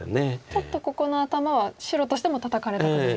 ちょっとここの頭は白としてもタタかれたくない。